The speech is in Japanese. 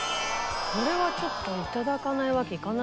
これはちょっと頂かないわけいかないな。